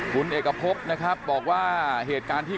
คุณเอกพบนะครับบอกว่าเหตุการณ์ที่